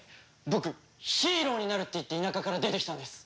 僕ヒーローになるって言って田舎から出てきたんです。